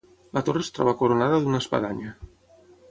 La torre es troba coronada d'una espadanya.